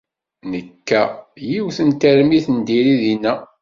Nekka yiwet n tarmit n diri dinna.